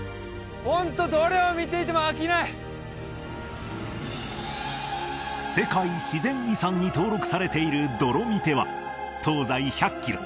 ホントどれを見ていても飽きない世界自然遺産に登録されているドロミテは東西１００キロ